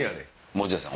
持田さん